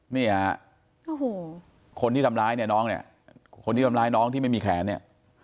นี่ฮะโอ้โหคนที่ทำร้ายเนี่ยน้องเนี่ยคนที่ทำร้ายน้องที่ไม่มีแขนเนี่ย